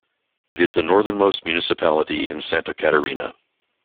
It is the northernmost municipality in Santa Catarina.